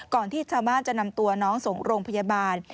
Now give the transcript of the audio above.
ที่ชาวบ้านจะนำตัวน้องส่งโรงพยาบาล